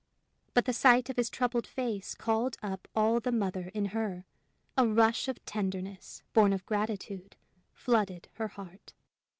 But the sight of his troubled face called up all the mother in her; a rush of tenderness, born of gratitude, flooded her heart.